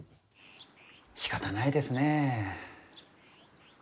しかたないですねえ。